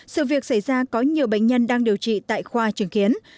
sự việc xảy ra có nhiều bệnh nhân đang điều trị tại khoa chứng kiến